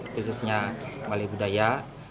khususnya kembali budaya